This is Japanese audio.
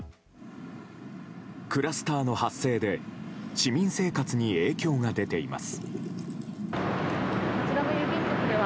クラスターの発生で市民生活に影響が出ています。